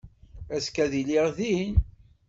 Azekka ad iliɣ din.